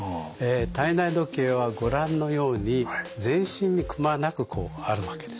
体内時計はご覧のように全身にくまなくあるわけですね。